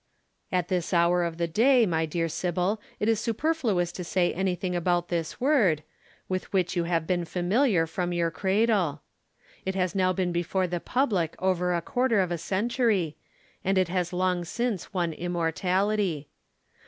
"'At this hour of the day, my dear Sybil, it is superfluous to say anything about this word, with which you have been familiar from your cradle. It has now been before the public over a quarter of a century, and it has long since won immortality.